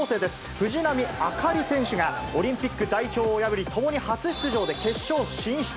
藤波朱里選手がオリンピック代表を破り、ともに初出場で決勝進出。